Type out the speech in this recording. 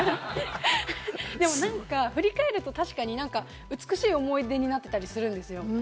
でも、振り返ると美しい思い出になってたりするんですよ。